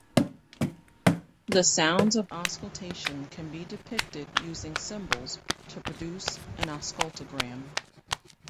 The sounds of auscultation can be depicted using symbols to produce an auscultogram.